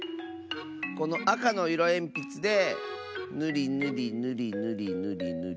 このあかのいろえんぴつでぬりぬりぬりぬり